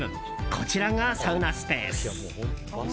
こちらがサウナスペース。